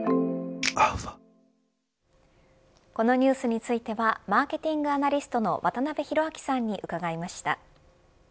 このニュースについてはマーケティングアナリストの渡辺広明さんに伺いました。